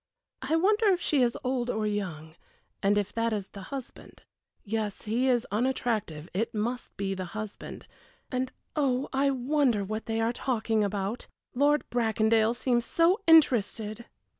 I wonder if she is old or young and if that is the husband. Yes, he is unattractive it must be the husband and oh, I wonder what they are talking about! Lord Bracondale seems so interested!"